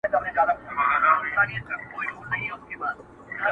ویالې به وچي باغ به وي مګر باغوان به نه وي،